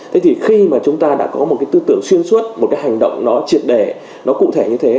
thế thì khi mà chúng ta đã có một cái tư tưởng xuyên suốt một cái hành động nó triệt đề nó cụ thể như thế